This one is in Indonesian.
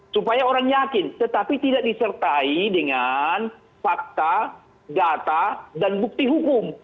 supaya orang yakin tetapi tidak disertai dengan fakta data dan bukti hukum